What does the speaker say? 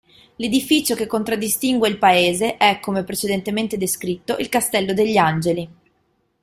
L'edificio che contraddistingue il paese è, come precedentemente descritto, il Castello degli Angeli.